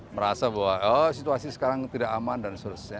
merasa bahwa situasi sekarang tidak aman dan seterusnya